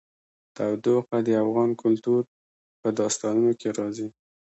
تودوخه د افغان کلتور په داستانونو کې راځي.